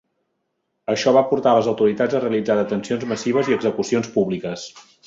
Això va portar a les autoritats a realitzar detencions massives i execucions públiques.